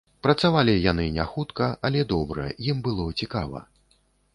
Працавалі яны не хутка, але добра, ім было цікава.